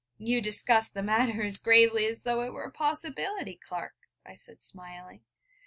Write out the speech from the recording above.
'You discuss the matter as gravely as though it were a possibility, Clark,' I said, smiling.